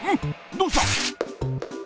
どうした！？